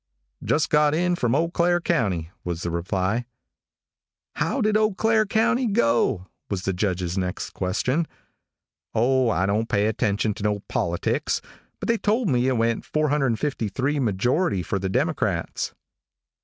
"Just got in from Eau Claire county," was the reply. "How did Eau Claire county go?" was the Judge's next question. "O, I don't pay no attention to politics, but they told me it went 453 majority for the Democrats."